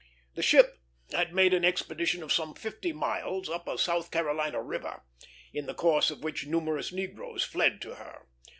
The ship had made an expedition of some fifty miles up a South Carolina river, in the course of which numerous negroes fled to her.